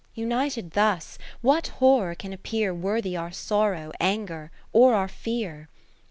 United thus, what horror can appear Worthy our sorrow, anger, or our fear?